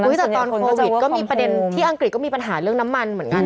แต่ตอนโควิดก็มีประเด็นที่อังกฤษก็มีปัญหาเรื่องน้ำมันเหมือนกัน